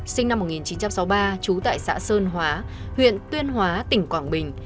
sinh năm một nghìn chín trăm sáu mươi ba trú tại xã sơn hóa huyện tuyên hóa tỉnh quảng bình